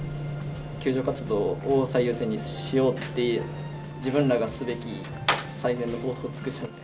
救助活動を最優先にしようって、自分らがすべき最善の行動を尽くしたので。